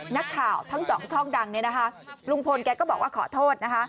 นักข่าวทั้งสองช่องดังเนี่ยนะคะลุงพลแกก็บอกว่าขอโทษนะคะ